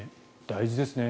大事ですね。